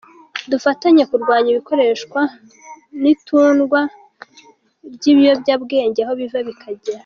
Dufatanye kurwanya ikoreshwa n’itundwa ry’ibiyobyabwenge aho biva bikagera."